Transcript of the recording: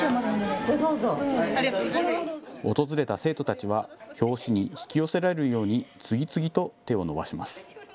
訪れた生徒たちは表紙に引き寄せられるように次々と手を伸ばします。